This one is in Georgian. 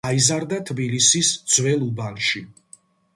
გაიზარდა თბილისის ძველ უბანში.